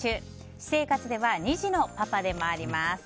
私生活では２児のパパでもあります。